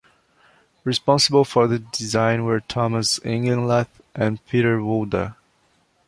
Responsible for the design were Thomas Ingenlath and Peter Wouda.